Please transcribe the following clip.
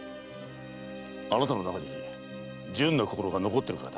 あなたの中に純な心が残ってるからだ。